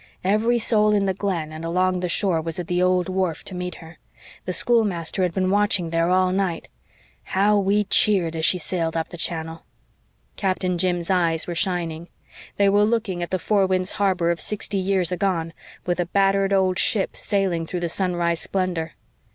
"Every soul in the Glen and along the shore was at the old wharf to meet her. The schoolmaster had been watching there all night. How we cheered as she sailed up the channel." Captain Jim's eyes were shining. They were looking at the Four Winds Harbor of sixty years agone, with a battered old ship sailing through the sunrise splendor.